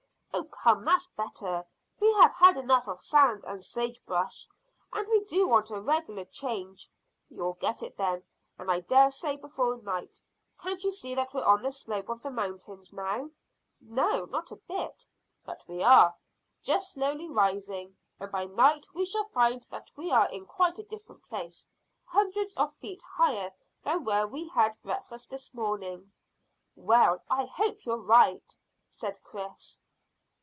"Oh come, that's better! We have had enough of sand and sage brush, and we do want a regular change." "You'll get it, then, and I dare say before night. Can't you see that we're on the slope of the mountains now?" "No, not a bit of it." "But we are; just slowly rising, and by night we shall find that we are in quite a different place, hundreds of feet higher than where we had breakfast this morning." "Well, I hope you're right," said Chris.